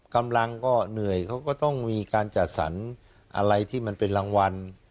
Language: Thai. กำลังก็เหนื่อยเขาก็ต้องมีการจัดสรรอะไรที่มันเป็นรางวัล